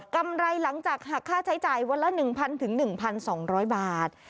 กำไรหลังจากหักค่าใช้จ่ายวันละ๑๐๐๑๒๐๐บาท